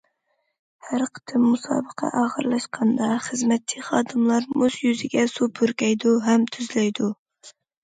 ھەر قېتىم مۇسابىقە ئاخىرلاشقاندا، خىزمەتچى خادىملار مۇز يۈزىگە سۇ پۈركەيدۇ ھەم تۈزلەيدۇ.